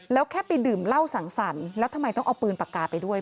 แล้วแค่ไปดื่มเหล้าสั่งสรรค์แล้วทำไมต้องเอาปืนปากกาไปด้วย